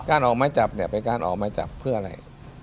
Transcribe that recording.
ออกไม้จับเนี่ยเป็นการออกไม้จับเพื่ออะไร